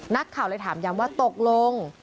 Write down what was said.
นักข่าวเลยถามย้ำว่าตกลง